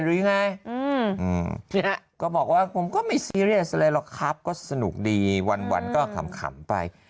หรือยังไงเนี่ยก็บอกว่าผมก็ไม่ซีเรียสอะไรหรอกครับก็สนุกดีวันก็ขำไป